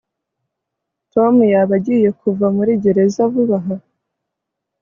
tom yaba agiye kuva muri gereza vuba aha